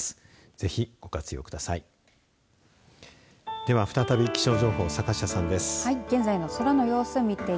ぜひ、ご活用ください。